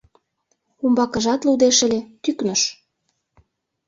Умбакыжат лудеш ыле, тӱкныш.